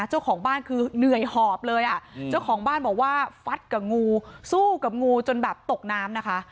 เจ้าของบ้านคือเหนื่อยหอบเลยอ่ะเจ้าของบ้านบอกว่าฟัดกับงูสู้กับงูจนแบบตกน้ำนะคะ